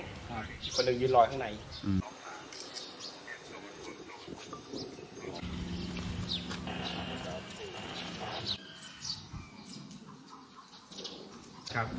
คนหนึ่งยืนรอข้างใน